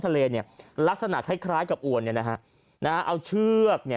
ทะเลเนี่ยลักษณะคล้ายคล้ายกับอวนเนี่ยนะฮะเอาเชือกเนี่ย